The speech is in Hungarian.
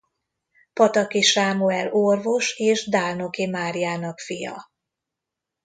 Pataki Sámuel orvos és Dálnoki Máriának fia.